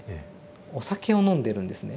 お酒を飲んでるんですね。